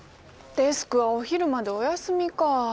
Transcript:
デスクはお昼までお休みか。